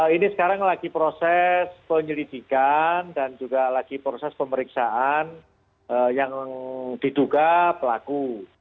ini sekarang lagi proses penyelidikan dan juga lagi proses pemeriksaan yang diduga pelaku